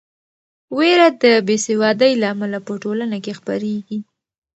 وېره د بې سوادۍ له امله په ټولنه کې خپریږي.